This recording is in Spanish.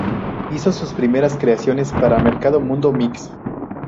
Hizo sus primeras creaciones para Mercado Mundo Mix.